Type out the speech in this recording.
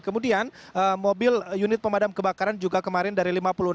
kemudian mobil unit pemadam kebakaran juga kemarin dari lima puluh enam